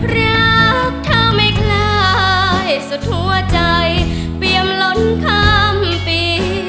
รักเธอไม่คล้ายสุดหัวใจเปรียมล้นข้ามปี